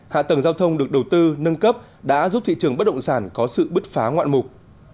hạ tầng giao thông được đầu tư nâng cấp đã giúp thị trường bất động sản có sự bứt phá ngoạn mục